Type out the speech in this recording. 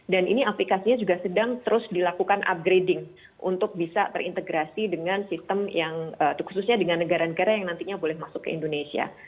dan ini aplikasinya juga sedang terus dilakukan upgrading untuk bisa terintegrasi dengan sistem yang khususnya dengan negara negara yang nantinya boleh masuk ke indonesia